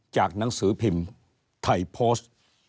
หนังสือพิมพ์ไทยโพสต์